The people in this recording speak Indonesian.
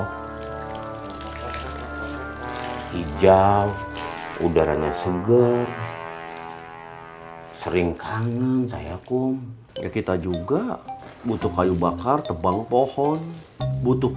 hijau udaranya seger sering kangen sayaku ya kita juga butuh kayu bakar tebang pohon butuh